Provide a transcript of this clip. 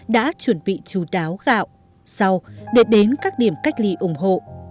đã chuẩn bị chú đáo gạo sau để đến các điểm cách ly ủng hộ